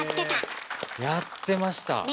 やってました。